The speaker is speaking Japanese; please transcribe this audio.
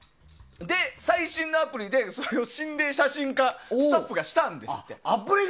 最新のアプリでそれを心霊写真化スタッフがしたんですって。